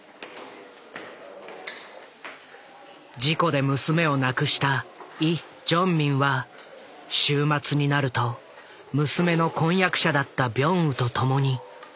事故で娘を亡くしたイ・ジョンミンは週末になると娘の婚約者だったビョンウと共にここを訪れる。